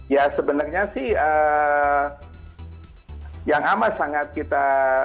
ya sebenarnya sih yang amat sangat kita